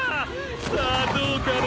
さあどうかね？